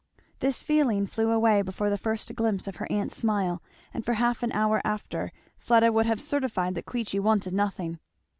This feeling flew away before the first glimpse of her aunt's smile, and for half an hour after Fleda would have certified that Queechy wanted nothing.